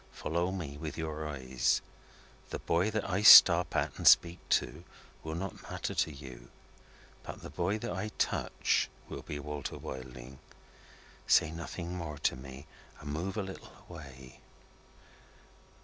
"Follow me with your eyes. The boy that I stop at and speak to, will not matter to you. But the boy that I touch, will be Walter Wilding. Say nothing more to me, and move a little away."